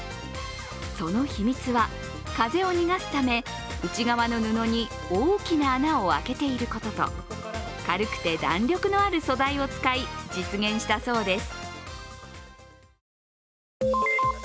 その秘密は、風を逃がすため内側の布に大きな穴を開けていることと軽くて弾力のある素材を使い実現したそうです。